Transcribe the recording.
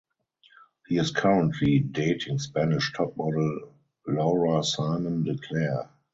He is currently dating Spanish top model Laura Simon de Claire.